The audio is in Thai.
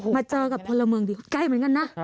มาเจอกับพลเมืองดีก็ใกล้เหมือนกันนะ